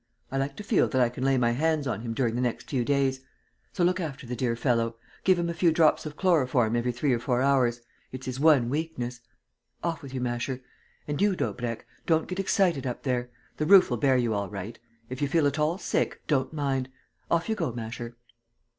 I like to feel that I can lay my hands on him during the next few days. So look after the dear fellow.... Give him a few drops of chloroform every three or four hours: it's his one weakness.... Off with you, Masher.... And you, Daubrecq, don't get excited up there. The roof'll bear you all right.... If you feel at all sick, don't mind... Off you go, Masher!"